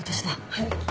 はい。